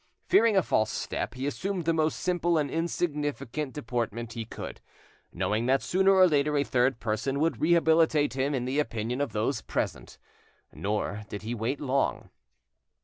Fearing a false step, he assumed the most simple and insignificant deportment he could, knowing that sooner or later a third person would rehabilitate him in the opinion of those present. Nor did he wait long.